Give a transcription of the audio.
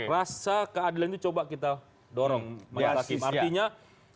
rasa keadilan itu coba kita dorong majelis hakim